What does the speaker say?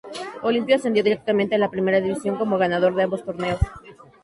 Olimpo ascendió directamente a la Primera División como ganador de ambos torneos.